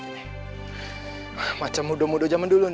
kita lanjutkan perjalanan